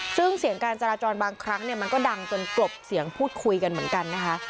ซึ่งเสียงการจราจรบางครั้งเนี่ยมันก็ดังจนกลบเสียงพูดคุยกันเหมือนกันนะคะ